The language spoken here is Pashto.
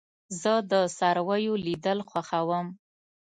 زه د څارويو لیدل خوښوم.